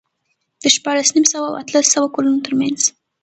د شپاړس نیم سوه او اتلس سوه کلونو ترمنځ